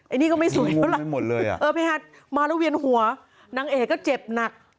ไอ้นี่ก็ไม่สุดแล้วหรอกเออเพฮามาแล้วเวียนหัวนางเอกก็เจ็บหนัก